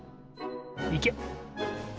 いけ！